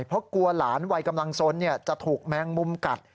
เพราะกลัวหลานวัยกำลังสนจะถูกแมงมุมกัด